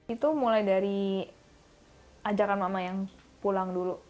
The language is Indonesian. itu mulai dari ajakan mama yang pulang dulu